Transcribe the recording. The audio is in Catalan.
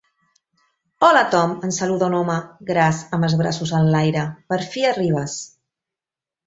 Hola Tom —el saluda un home gras amb els braços enlaire—, per fi arribes.